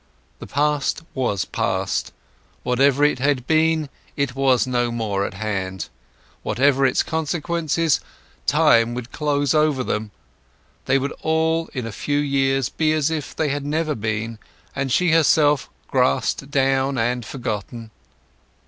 The past was past; whatever it had been, it was no more at hand. Whatever its consequences, time would close over them; they would all in a few years be as if they had never been, and she herself grassed down and forgotten.